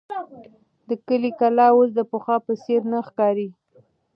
د کلي کلا اوس د پخوا په څېر نه ښکاري.